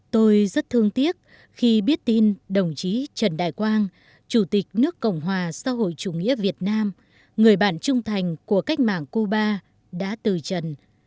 tôi rất thương tiếc khi biết tin đồng chí trần đại quang chủ tịch nước cộng hòa xã hội chủ nghĩa việt nam người bạn trung thành của cách mạng cuba đã từ trần